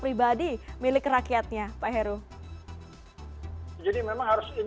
urutan dua puluh satu diri kita okar para penyel performed dengan wanita daripada otomatis